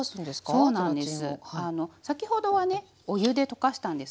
はいそうなんです。